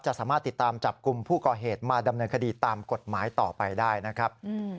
สามารถติดตามจับกลุ่มผู้ก่อเหตุมาดำเนินคดีตามกฎหมายต่อไปได้นะครับ